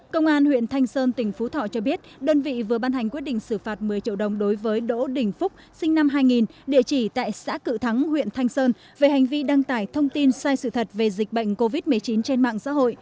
công an huyện thanh sơn tỉnh phú thọ cho biết đơn vị vừa ban hành quyết định xử phạt một mươi triệu đồng đối với đỗ đình phúc sinh năm hai nghìn địa chỉ tại xã cự thắng huyện thanh sơn về hành vi đăng tải thông tin sai sự thật về dịch bệnh covid một mươi chín trên mạng xã hội